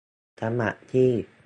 สมัครที่